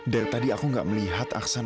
dari tadi aku gak melihat aksan